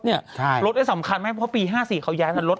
รถนี่สำคัญไหมเพราะปี๕๔เขาย้ายกันรถ